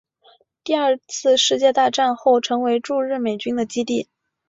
第二次世界大战后成为驻日美军的基地。